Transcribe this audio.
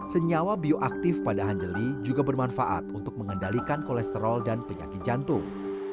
senyawa bioaktif pada anjali juga bermanfaat untuk mengendalikan kolesterol dan penyakit jantung